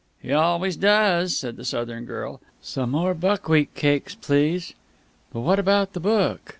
"He always does," said the Southern girl. "Some more buckwheat cakes, please. But what about the book?"